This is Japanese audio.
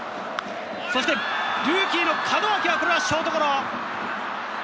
そしてルーキー・門脇はショートゴロ。